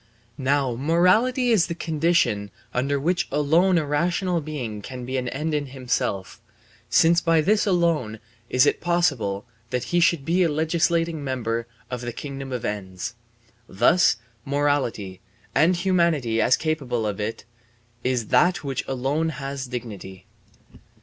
Now morality is the condition under which alone a rational being can be an end in himself, since by this alone is it possible that he should be a legislating member in the kingdom of ends. Thus morality, and humanity as capable of it, is that which alone has dignity.